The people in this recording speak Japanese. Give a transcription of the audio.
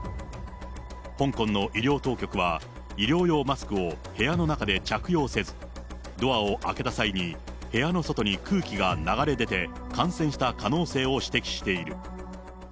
香港の医療当局は、医療用マスクを部屋の中で着用せず、ドアを開けた際に部屋の外に空気が流れ出て、感染した可能性を指摘している。